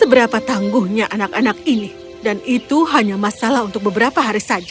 seberapa tangguhnya anak anak ini dan itu hanya masalah untuk beberapa hari saja